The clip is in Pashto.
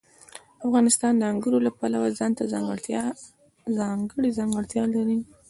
افغانستان د انګورو له پلوه ځانته ځانګړې ځانګړتیا لري.